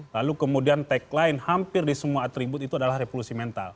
lalu kemudian tagline hampir di semua atribut itu adalah revolusi mental